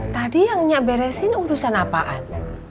tadi yangnya beresin urusan apaan